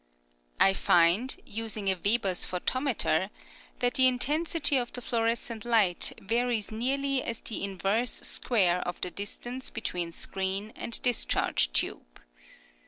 I find using a Weber's photometer that the intensity of the fluorescent light varies nearly as the inverse square of the distance between screen and discharge tube.